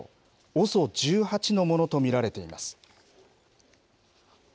ＯＳＯ１８のものと見られています。